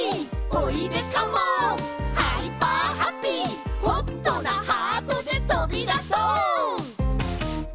「おいでカモンハイパーハッピー」「ホットなハートでとびだそう」